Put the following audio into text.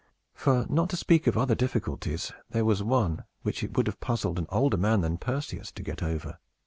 For, not to speak of other difficulties, there was one which it would have puzzled an older man than Perseus to get over.